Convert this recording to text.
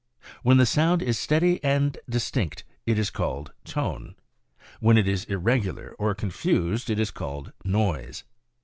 When the sound is steady and distinct, it is called tone ; when it is irregu lar or confused it is called noise.